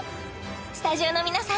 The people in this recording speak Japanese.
スタジオの皆さん